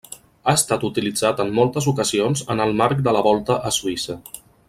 Ha estat utilitzat en moltes ocasions en el marc de la Volta a Suïssa.